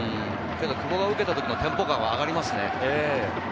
久保が受けたときのテンポ感は上がりますね。